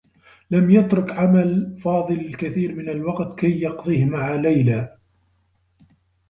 لم يترك عمل فاضل الكثير من الوقت كي يقضيه مع ليلى.